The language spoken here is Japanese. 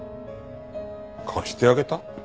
貸してあげた？